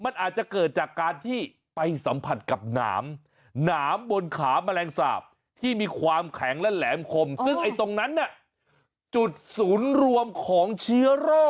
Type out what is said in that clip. ในตรงนั้นน่ะจุดศูนย์รวมของเชียวโลก